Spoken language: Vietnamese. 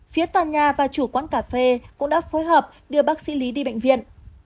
phía tòa nhà và chủ quán cà phê cũng đã phối hợp đưa bác sĩ lý đi bệnh viện